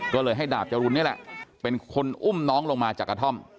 ก็เลยให้ดาบจรุนนี่แหละเป็นคนอุ้มน้องลงมาจากกระท่อม